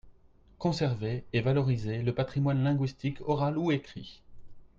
conserver et valoriser le patrimoine linguistique oral ou écrit.